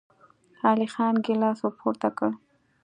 علی خان ګيلاس ور پورته کړ.